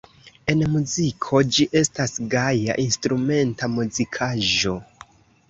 En muziko ĝi estas gaja instrumenta muzikaĵo.